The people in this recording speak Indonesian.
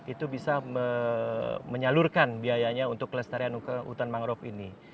itu bisa menyalurkan biayanya untuk kelestarian hutan mangrove ini